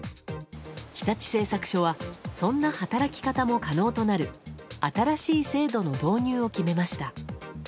日立製作所はそんな働き方も可能となる新しい制度の導入を決めました。